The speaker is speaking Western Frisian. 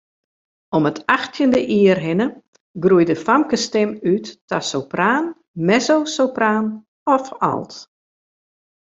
Om it achttjinde jier hinne groeit de famkesstim út ta sopraan, mezzosopraan of alt.